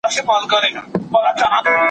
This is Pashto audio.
پښتو ښايي د ماشوم باور زیات کړي.